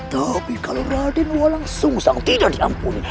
tapi kalau raden walang sung sang tidak diampuni